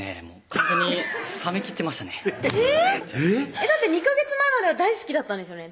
完全に冷めきってましたねえぇっだって２カ月前までは大好きだったんですよね